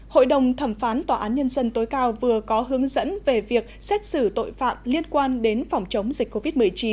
hội đồng thẩm phán tòa án nhân dân tối cao vừa có hướng dẫn về việc xét xử tội phạm liên quan đến phòng chống dịch covid một mươi chín